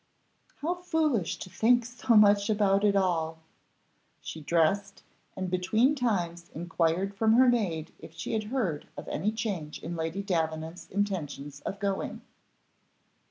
"How foolish to think so much about it all!" She dressed, and between times inquired from her maid if she had heard of any change in Lady Davenant's intentions of going.